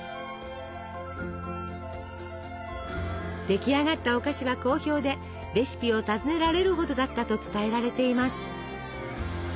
出来上がったお菓子は好評でレシピを尋ねられるほどだったと伝えられています。